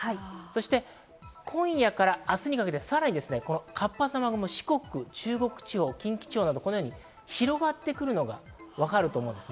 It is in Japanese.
今夜から明日にかけてさらに活発な雨雲が四国、中国、近畿地方に広がってくるのが分かると思うんです。